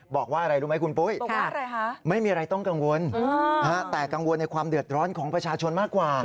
บอกว่าอะไรรู้ไหมคุณปุ้ยไม่มีอะไรต้องกังวลแต่กังวลในความเดือดร้อนของประชาชนมากกว่า